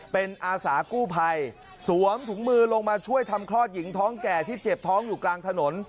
เป็นอาสากู้ภัยสวมถุงมือลงมาช่วยทำคลอดหญิงท้องแก่ที่เจ็บท้องอยู่กลางถนน